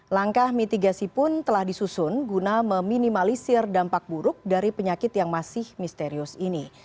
langkah mitigasi pun telah disusun guna meminimalisir dampak buruk dari penyakit yang masih misterius ini